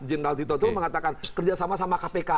jenderal tito itu mengatakan kerjasama sama kpk